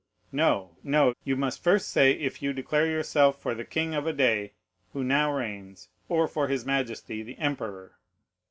No, no, you must first say if you declare yourself for the king of a day who now reigns, or for his majesty the emperor."